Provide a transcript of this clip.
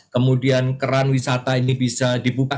kemudian keran wisata ini bisa dibuka